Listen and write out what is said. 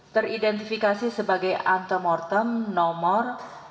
teridentifikasi sebagai antemortem nomor delapan puluh tujuh